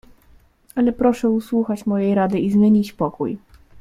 "Ale proszę usłuchać mojej rady i zmienić pokój."